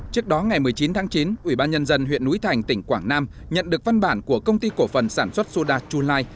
trước đó ngày một mươi chín tháng chín ubnd huyện núi thành tỉnh quảng nam nhận được văn bản của công ty cổ phần sản xuất soda chulai